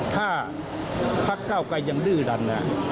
ถ้าพักเก้าไกรยังดื้อดัน